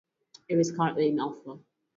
It is currently in alpha.